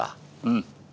うん。